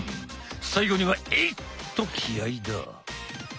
最後にはエイっと気合いだ！